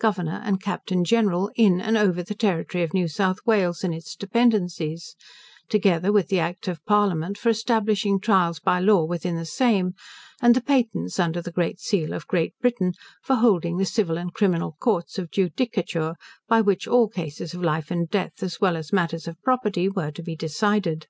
Governor and Captain General in and over the territory of New South Wales, and its dependencies; together with the Act of Parliament for establishing trials by law within the same; and the patents under the Great Seal of Great Britain, for holding the civil and criminal courts of judicature, by which all cases of life and death, as well as matters of property, were to be decided.